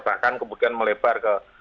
bahkan kemudian melebar ke